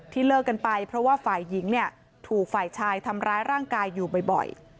เลิกกันไปเพราะว่าฝ่ายหญิงเนี่ยถูกฝ่ายชายทำร้ายร่างกายอยู่บ่อย